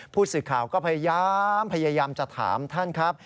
ผู้สื่อข่าวก็พยายามพยายามจะถามท่านครับ